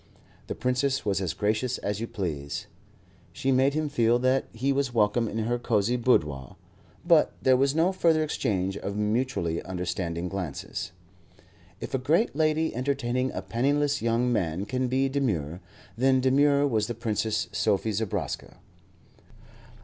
The Princess was as gracious as you please. She made him feel that he was welcome in her cosy boudoir; but there was no further exchange of mutually understanding glances. If a great lady entertaining a penniless young man can be demure, then demure was the Princess Sophie Zobraska.